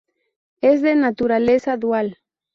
Es de naturaleza dual.